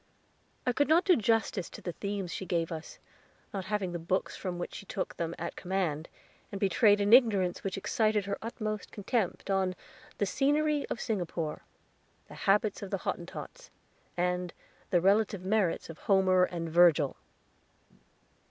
I could not do justice to the themes she gave us, not having the books from which she took them at command, and betrayed an ignorance which excited her utmost contempt, on "The Scenery of Singapore," "The Habits of the Hottentots," and "The Relative Merits of Homer and Virgil."